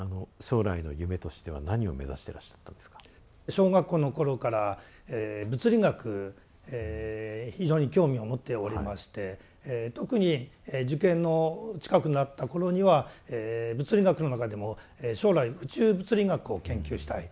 小学校の頃から物理学非常に興味を持っておりまして特に受験の近くなった頃には物理学の中でも将来宇宙物理学を研究したい